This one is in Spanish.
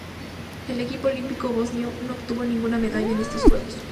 El equipo olímpico bosnio no obtuvo ninguna medalla en estos Juegos.